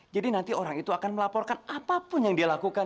jadi nanti orang itu akan melaporkan apapun yang dia lakukan